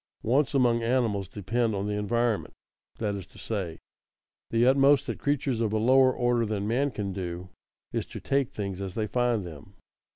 _Wants among animals depend on the environment; that is to say, the utmost that creatures of a lower order than man can do is to take things as they find them.